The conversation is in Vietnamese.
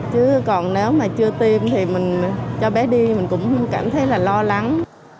chứ còn nếu mà chưa tiêm thì mình cho bé đi mình cũng cảm thấy là lo lắng